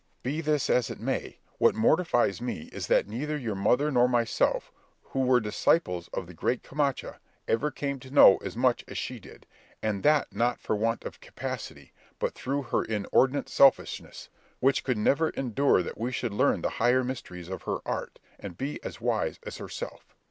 "Be this as it may, what mortifies me is that neither your mother nor myself, who were disciples of the great Camacha, ever came to know as much as she did, and that not for want of capacity, but through her inordinate selfishness, which could never endure that we should learn the higher mysteries of her art, and be as wise as herself.